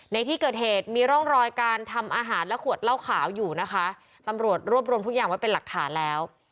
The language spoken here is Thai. ในที่เกิดเหตุมีร่องรอยการทำอาหารและขวดเหล้าขาวอยู่นะคะตำรวจรวบรวมทุกอย่างไว้เป็นหลักฐานแล้ว